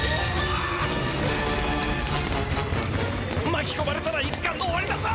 まきこまれたらいっかんの終わりだぞ！